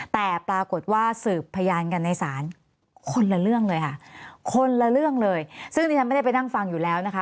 แต่ปรากฏว่าสืบพยานกันในศาลคนละเรื่องเลยค่ะคนละเรื่องเลยซึ่งที่ฉันไม่ได้ไปนั่งฟังอยู่แล้วนะคะ